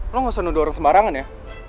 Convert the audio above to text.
lo gak usah nuduh orang sembarangan ya